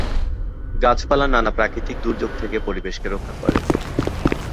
গাছপালা নানান প্রাকৃতিক দুর্যোগ থেকে পরিবেশকে রক্ষা করে।